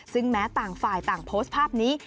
ซึ่งแม้ต่างฝ่ายต่างโพสต์ภาพนี้